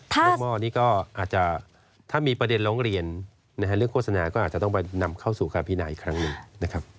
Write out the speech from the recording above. ลูกหม้อนี้ก็อาจจะถ้ามีประเด็นร้องเรียนเรื่องโฆษณาก็อาจจะต้องไปนำเข้าสู่การพินาอีกครั้งหนึ่งนะครับ